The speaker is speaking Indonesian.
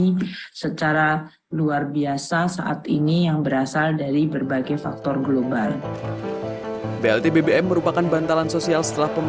jadi secara luar biasa saat ini yang berasal dari berbagai faktor global